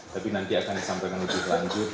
tapi nanti akan disampaikan lebih lanjut